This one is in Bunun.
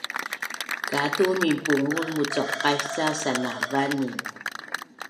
katu minpungul mucuqais ca sanavanin